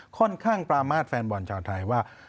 ค่อนข้างประมาทแฟนบอลชาวไทยว่า